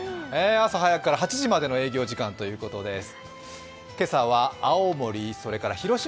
朝早くから８時までの営業時間ということです。